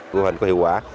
mô hình có hiệu quả